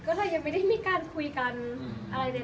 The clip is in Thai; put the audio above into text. ก็เท่ายังไม่ได้มีการคุยกันอะไรทั้งสิ้นเลยค่ะ